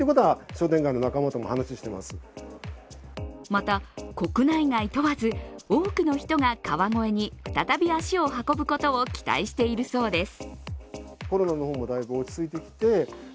また、国内外問わず多くの人が川越に再び足を運ぶことを期待しているそうです。